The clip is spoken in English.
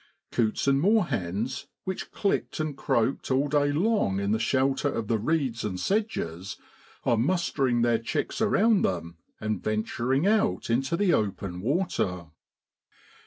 Coots and moorhens, which clicked and croaked all day long in the shelter of the reeds and sedges, are mustering their chicks around them and venturing out into the open water.